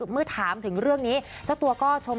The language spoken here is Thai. เมื่อถามถึงเรื่องนี้เจ้าตัวก็ชม